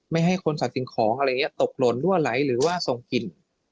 ไม่ให้คนสัตว์สิ่งของอะไรอย่างนี้ตกหล่นรั่วไหลหรือว่าส่งกลิ่น